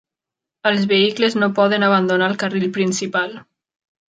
Els vehicles no poden abandonar el carril principal.